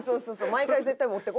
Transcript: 毎回絶対持ってこいよ。